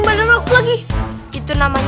kacau kacau kacau